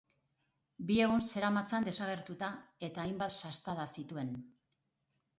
Bi egun zeramatzan desagertuta, eta hainbat sastada zituen.